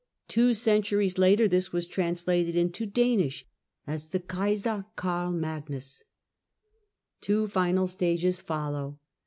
Two centuries later this was translated into Danish as the Kejser Karl Magnus. Two final stages follow.